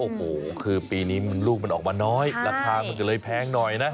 โอ้โหคือปีนี้ลูกมันออกมาน้อยราคามันก็เลยแพงหน่อยนะ